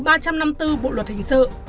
bộ luật hình sự